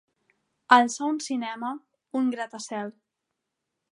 Alçar un cinema, un gratacel.